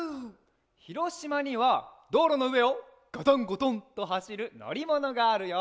ひろしまにはどうろのうえをガタンゴトンとはしるのりものがあるよ。